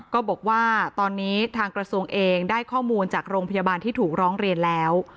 ก็บอกว่าตอนนี้ทางกระทรวงเองได้ข้อมูลจากโรงพยาบาลที่ถูกร้องเรียนแล้ว